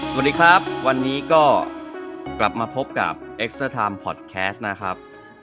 สวัสดีครับวันนี้ก็กลับมาพบกับเอ็กเซอร์ไทม์พอดแคสต์นะครับ